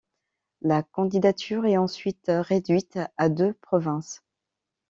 La candidature est ensuite réduite à deux provinces.